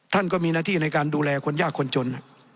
ก็มีหน้าที่ในการดูแลคนยากคนจน